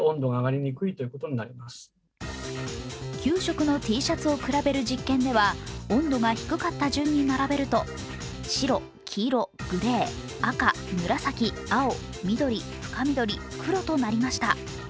９色のＴシャツを比べる実験では、温度が低かった順から並べると白、黄、グレー、赤、紫、青、緑、深緑、黒となりました。